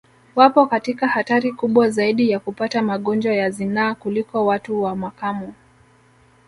Wapo katika hatari kubwa zaidi ya kupata magonjwa ya zinaa kuliko watu wa makamo